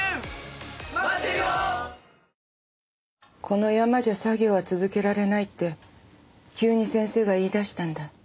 この山じゃ作業は続けられないって急に先生が言い出したんだ。